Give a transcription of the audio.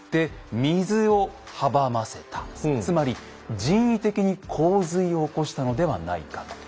つまり人為的に洪水を起こしたのではないかと。